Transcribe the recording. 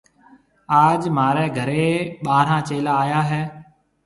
اج مهاريَ گهريَ ٻارهان چيلا آيا هيَ۔